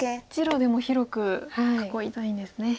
１路でも広く囲いたいんですね。